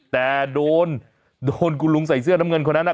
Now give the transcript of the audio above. แต่โดนโดนคุณลุงใส่เสื้อน้ำเงินคนนั้น